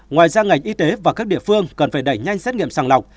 ngoài ra ngành y tế và các địa phương cần phải đẩy nhanh xét nghiệm sàng lọc